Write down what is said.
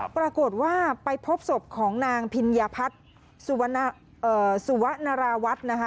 ปรากฏว่าไปพบศพของนางพิญญาพัฒน์สุวนาราวัฒน์นะคะ